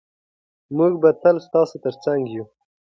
موږ به تل ستاسو ترڅنګ یو.